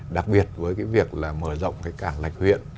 đặc biệt với việc mở rộng cảng lạch huyện